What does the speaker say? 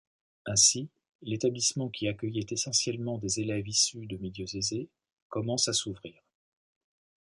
Ainsi, l'établissement qui accueillait essentiellement des élèves issus de milieux aisés commence à s’ouvrir.